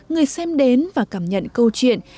người xem đến và cảm nhận câu chuyện